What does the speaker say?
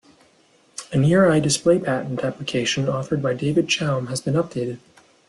A near eye display patent application authored by David Chaum has been updated.